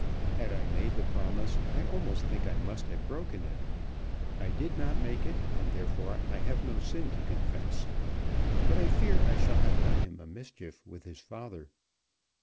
Had I made the promise I almost think I must have broken it. I did not make it, and therefore I have no sin to confess. But I fear I shall have done him a mischief with his father."